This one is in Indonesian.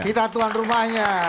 kita tuan rumahnya